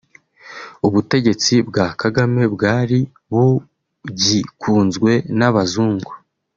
ubutegetsi bwa Kagame bwari bugikunzwe n’abazungu